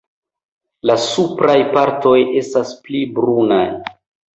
La supraj partoj estas pli brunaj.